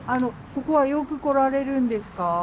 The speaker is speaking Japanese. ここはよく来られるんですか？